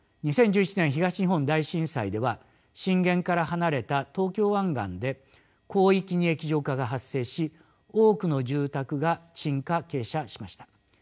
２０１１年東日本大震災では震源から離れた東京湾岸で広域に液状化が発生し多くの住宅が沈下傾斜しました。